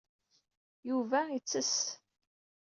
Yuba yettess.